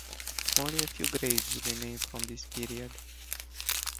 Only a few graves remain from this period.